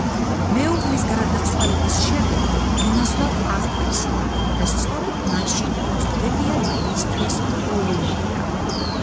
მეუღლის გარდაცვალების შემდეგ მონაზვნად აღკვეცილა და სწორედ მაშინ უწოდებიათ მისთვის ულუმპია.